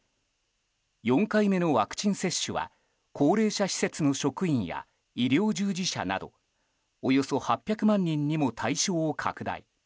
４回目のワクチン接種は高齢者施設の職員や医療従事者などおよそ８００万人にも対象を拡大。